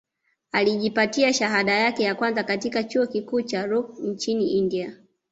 Alijipatia shahada yake ya kwanza katika chuo kikuu cha Rocky nchini India